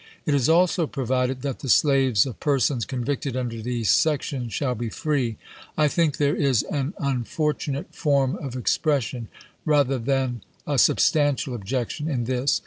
,. It is also provided that the slaves of persons convicted under these sections shall be free. I think there is an unfortunate form of expres sion, rather than a substantial objection, in this.